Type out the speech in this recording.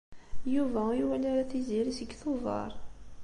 Yuba ur iwala ara Tiziri seg Tubeṛ.